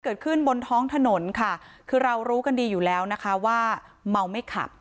เกิดขึ้นบนท้องถนนค่ะคือเรารู้กันดีอยู่แล้วนะคะว่าเมาไม่ขับ